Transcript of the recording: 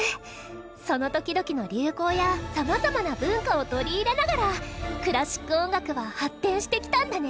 その時々の流行やさまざまな文化を取り入れながらクラシック音楽は発展してきたんだね！